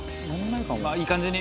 いい感じに。